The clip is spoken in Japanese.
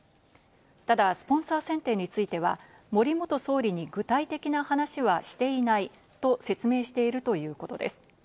ただスポンサー選定については、森元総理に具体的な話はしていないと説明しているということです。